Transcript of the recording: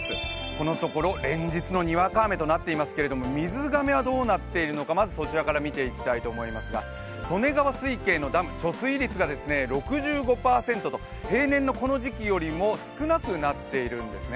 このところ連日のにわか雨となっていますけれども、水がめはどうなっているのか、まずそちらから見ていきたいと思いますが利根川水系のダム、貯水率が６５％と平年のこの時期よりも少なくなっているんですね。